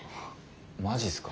マジっすか。